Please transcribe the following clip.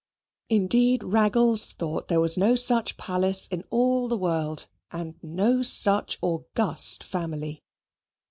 Indeed Raggles thought there was no such palace in all the world, and no such august family.